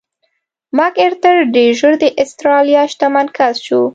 مک ارتر ډېر ژر د اسټرالیا شتمن کس شو.